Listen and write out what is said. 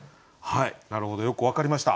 なるほどよく分かりました。